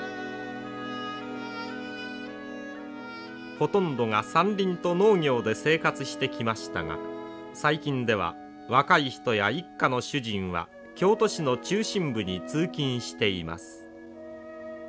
ほとんどが山林と農業で生活してきましたが最近では若い人や一家の主人は京都市の中心部に通勤しています。